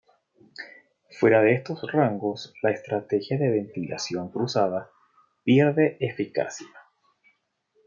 Fuera de estos rangos la estrategia de ventilación cruzada pierde eficacia.